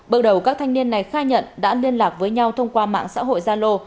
bước đầu các thanh niên này khai nhận đã liên lạc với nhau thông qua mạng xã hội gia lô